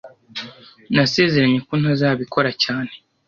Nasezeranye ko ntazabikora cyane